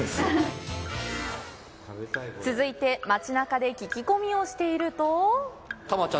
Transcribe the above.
続いて、町なかで聞き込みをしていると。